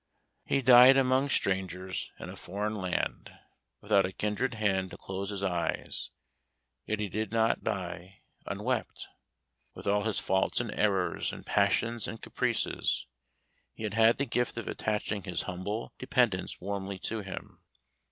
He died among strangers, in a foreign land, without a kindred hand to close his eyes; yet he did not die unwept. With all his faults and errors, and passions and caprices, he had the gift of attaching his humble dependents warmly to him.